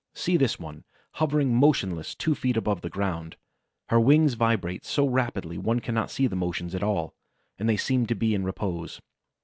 See this one, hovering motionless two feet above the ground. Her wings vibrate so rapidly one cannot see the motion at all, and they seem to be in repose.